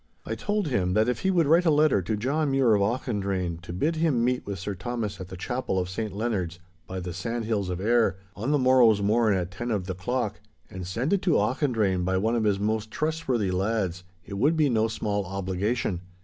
I told him that if he would write a letter to John Mure of Auchendrayne to bid him meet with Sir Thomas at the Chapel of St Leonard's by the sandhills of Ayr, on the morrow's morn at ten of the clock, and send it to Auchendrayne by one of his most trustworthy lads, it would be no small obligation.